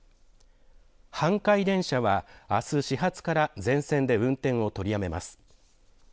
阪堺電車はあす始発から全線で運転を取りやめます。